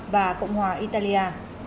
và cộng hòa italia